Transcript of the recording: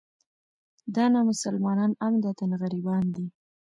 دا نامسلمانان عمدتاً غربیان دي.